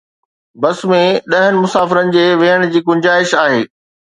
بس ۾ ڏهن مسافرن جي ويهڻ جي گنجائش آهي